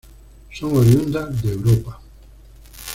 Son oriundas de Europa.